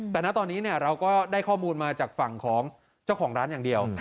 แต่นะตอนนี้เราก็ได้ข้อมูลมาจากฝั่งของเจ้าของร้านอย่างเดียว